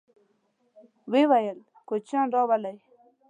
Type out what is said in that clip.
ويې ويل: کوچيان راولئ!